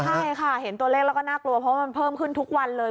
ใช่ค่ะเห็นตัวเลขแล้วก็น่ากลัวเพราะว่ามันเพิ่มขึ้นทุกวันเลย